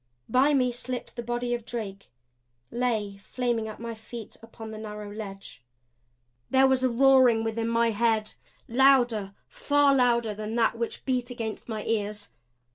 By me slipped the body of Drake; lay flaming at my feet upon the narrow ledge. There was a roaring within my head louder, far louder, than that which beat against my ears.